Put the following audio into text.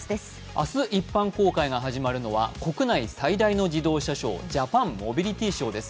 明日、一般公開が始まるのは国内最大の自動車ショージャパンモビリティーショーです。